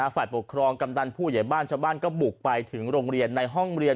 ฝ่ายปกครองกำดันผู้ใหญ่บ้านชาวบ้านก็บุกไปถึงโรงเรียนในห้องเรียน